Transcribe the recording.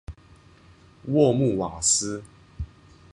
沃穆瓦斯。